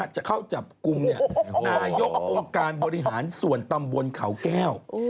จะเข้าจับกรุงการบริหารสวนตำบลขาวแก้ว